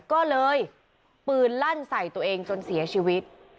ก็เลยปืนลั่นใส่ตัวเองจนเสียชีวิต